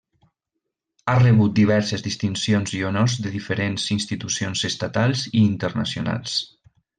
Ha rebut diverses distincions i honors de diferents institucions estatals i internacionals.